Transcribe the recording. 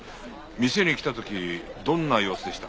店に来た時どんな様子でした？